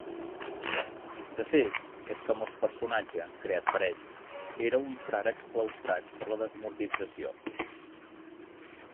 De fet, aquest famós personatge, creat per ell, era un frare exclaustrat per la desamortització.